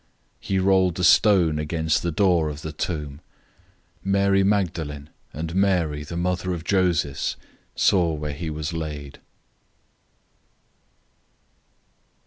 He rolled a stone against the door of the tomb. 015:047 Mary Magdalene and Mary, the mother of Joses, saw where he was laid.